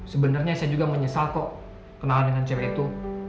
sebenarnya saya juga menyesal kok kenalan dengan cewek itu